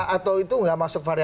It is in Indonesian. atau itu tidak masuk varian